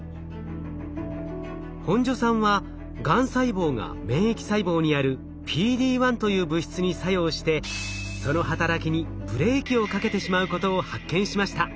本庶さんはがん細胞が免疫細胞にあるＰＤ−１という物質に作用してその働きにブレーキをかけてしまうことを発見しました。